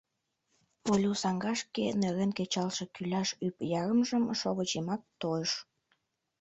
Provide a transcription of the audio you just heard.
— Олю саҥгашке нӧрен кечалтше кӱляш ӱп ярымжым шовыч йымак тойыш.